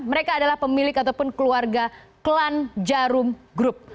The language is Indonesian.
mereka adalah pemilik ataupun keluarga klan jarum group